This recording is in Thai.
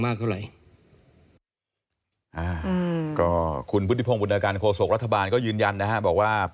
ไม่ทราบ